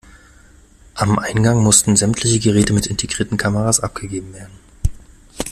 Am Eingang mussten sämtliche Geräte mit integrierten Kameras abgegeben werden.